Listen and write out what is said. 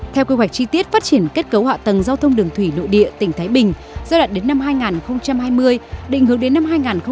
theo kế hoạch chi tiết phát triển kết cấu họa tầng giao thông đường thủy nội địa tỉnh thái bình do đạt đến năm hai nghìn hai mươi định hướng đến năm hai nghìn ba mươi